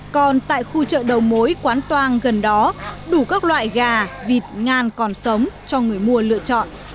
còn tại khu chợ đầu mối quán toang gần đó đủ các loại gà vịt ngan còn sống cho người mua lựa chọn